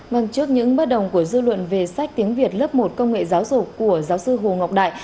vâng trước những bất đồng của dư luận về sách tiếng việt lớp một công nghệ giáo dục của giáo sư hồ ngọc đại